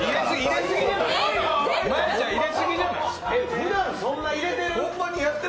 普段そんなにやってる？